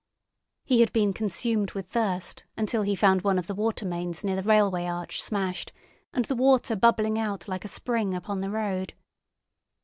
He had been consumed with thirst until he found one of the water mains near the railway arch smashed, and the water bubbling out like a spring upon the road.